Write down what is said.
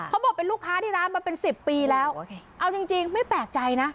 เขาบอกเป็นลูกค้าที่ร้านมาเป็นสิบปีแล้วเอาจริงจริงไม่แปลกใจนะ